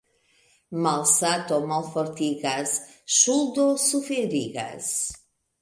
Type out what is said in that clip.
Malsato malfortigas, ŝuldo suferigas.